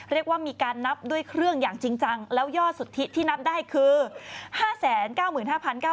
เรียกว่ามีการนับด้วยเครื่องอย่างจริงจังแล้วยอดสุทธิที่นับได้คือ๕๙บาท